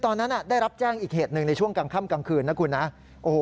ตอนนั้นได้รับแจ้งอีกเหตุหนึ่งในช่วงกลางค่ำกลางคืนนะคุณนะ